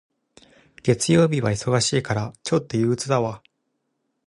月曜日は忙しいから、ちょっと憂鬱だわ。